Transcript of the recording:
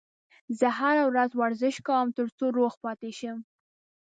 زه هره ورځ ورزش کوم ترڅو روغ پاتې شم